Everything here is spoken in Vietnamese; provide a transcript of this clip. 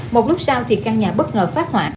một lúc sau thì căn nhà bất ngờ phát hỏa